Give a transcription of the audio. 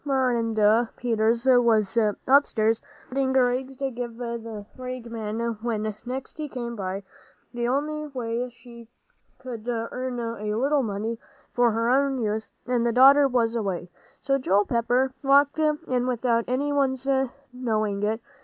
Marinda Peters was upstairs sorting rags to give the rag man when next he came by, the only way she could earn a little money for her own use, and the daughter was away; so Joel Pepper walked in without any one's knowing it.